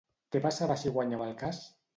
Què passava si guanyava el cas?